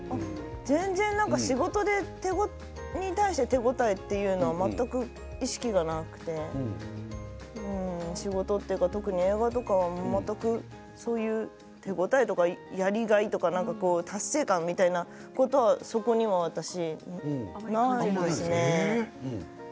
全然、仕事に対して手応えというのは全く意識がなくて仕事というか特に映画とかは全く手応えとか、やりがいとか達成感みたいなことはそこには私、ないですね。